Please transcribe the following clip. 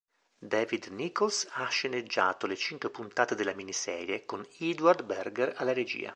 David Nicholls ha sceneggiato le cinque puntate della miniserie, con Edward Berger alla regia.